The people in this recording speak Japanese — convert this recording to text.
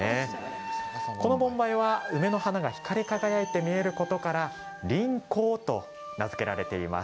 この盆梅は梅の花が光り輝いて見えることから林光と名付けられています。